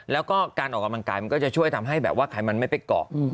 แล้วก็การออกกำลังกายมันก็จะช่วยทำให้แบบว่าไขมันไม่ไปเกาะ